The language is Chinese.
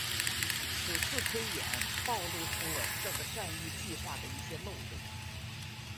此次推演暴露出了这个战役计划的一些漏洞。